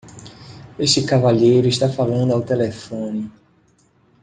Este cavalheiro está falando ao telefone